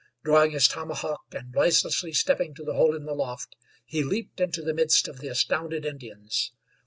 Drawing his tomahawk and noiselessly stepping to the hole in the loft, he leaped into the midst of the astounded Indians.